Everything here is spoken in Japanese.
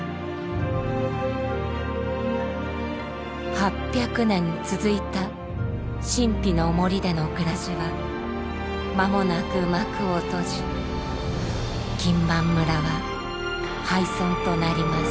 ８００年続いた神秘の森での暮らしは間もなく幕を閉じ金満村は廃村となります。